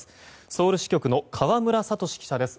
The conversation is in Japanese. ソウル支局の河村聡記者です。